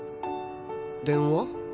電話？